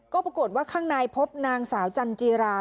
ก็ปรากฏว่าข้างในพบนางสาวจันจีรา